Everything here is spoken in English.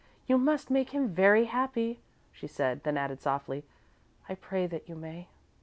You must make him very happy," she said, then added, softly: "I pray that you may."